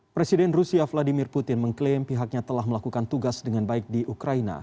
presiden rusia vladimir putin mengklaim pihaknya telah melakukan tugas dengan baik di ukraina